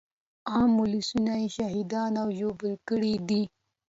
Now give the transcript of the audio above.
عام ولسونه يې شهیدان او ژوبل کړي دي.